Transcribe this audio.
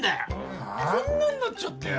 こんなんなっちゃってよ。